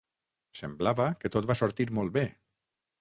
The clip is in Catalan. Semblava que tot va sortir molt bé.